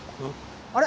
あれ？